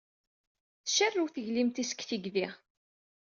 Tcarrew teglimt-is seg tigdi.